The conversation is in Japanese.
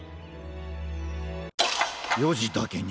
４じだけに。